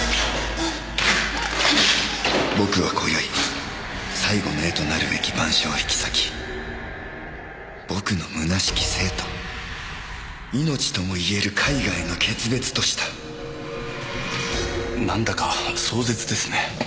「僕は今宵最後の絵となるべき『晩鐘』を引き裂き僕の虚しき生と命ともいえる絵画への決別とした」なんだか壮絶ですね。